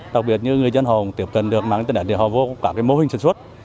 đặc biệt như người dân họ cũng tiếp cận được mạng internet để họ vô cả cái mô hình sản xuất